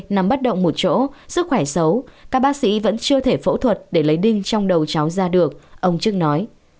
nằm bất động một chỗ sức khỏe xấu các bác sĩ vẫn chưa thể phẫu thuật để lấy đinh trong đầu cháu ra được ông chức nói